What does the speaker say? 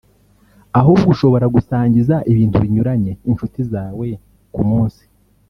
ahubwo ushobora gusangiza ibintu binyuranye inshuti zawe ku munsi